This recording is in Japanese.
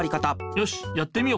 よしやってみよ。